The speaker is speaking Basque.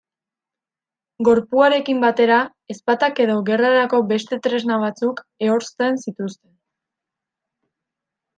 Gorpuarekin batera, ezpatak edo gerrarako beste tresna batzuk ehorzten zituzten.